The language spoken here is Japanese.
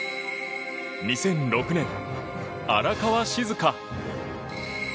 ２００６年、荒川静香。